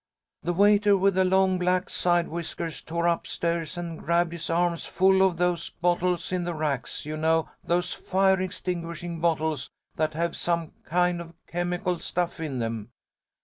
"The waiter with the long black side whiskers tore up stairs and grabbed his arms full of those bottles in the racks you know those fire extinguishing bottles that have some kind of chemical stuff in them.